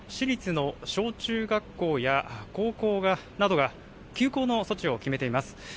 きょうは仙台市内のしりつの小中学校や、高校などが休校の措置を決めています。